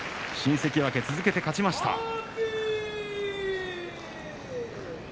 新関脇、続けて勝ちました。